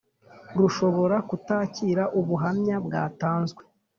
Rushobora kutakira ubuhamya bwatanzwe